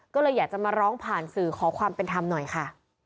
ก็เลยอยากจะมาร้องผ่านสื่อขอความเป็นธรรมหน่อยค่ะ